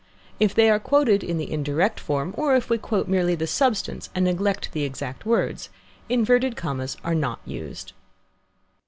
If they are quoted in the indirect form, or if we quote merely the substance, and neglect the exact words, inverted commas are not used.